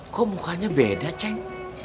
kok mukanya beda ceng